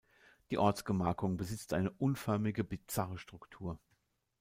Die Ortsgemarkung besitzt eine unförmige, bizarre Struktur.